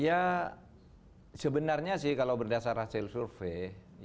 ya sebenarnya sih kalau berdasar hasil survei